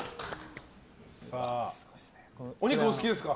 お肉、お好きですか？